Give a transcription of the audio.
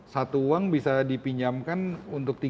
satu uang bisa dipinjamkan untuk tiga